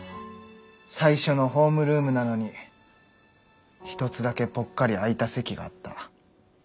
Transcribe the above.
最初のホームルームなのに１つだけポッカリ空いた席があった。